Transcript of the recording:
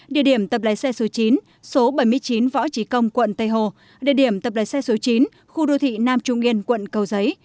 địa điểm tập lái xe số chín số bảy mươi chín võ trí công quận tây hồ địa điểm tập lái xe số chín khu đô thị nam trung yên quận cầu giấy